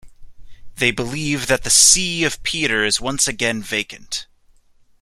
They believe that the see of Peter is once again vacant.